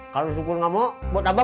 kalau syukur ngomong mau tabang gak